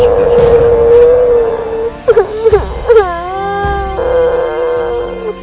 suara siapa itu